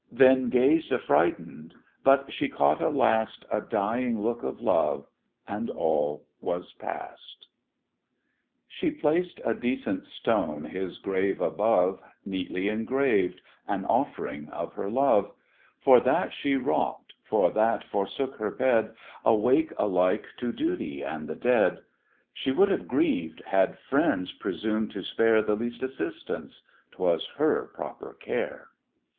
Then gazed affrighten'd; but she caught a last, A dying look of love, and all was past! She placed a decent stone his grave above, Neatly engraved an offering of her love; For that she wrought, for that forsook her bed, Awake alike to duty and the dead; She would have grieved, had friends presum'd to spare The least assistance 'twas her proper care.